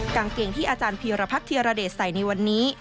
กางเกงที่อาจารย์พีรพัฒนเทียรเดชใส่ในวันนี้